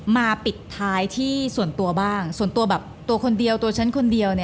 มาปิดท้ายที่ส่วนตัวบ้างส่วนตัวแบบตัวคนเดียวตัวฉันคนเดียว